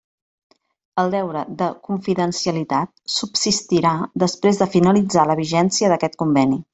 El deure de confidencialitat subsistirà després de finalitzar la vigència d'aquest conveni.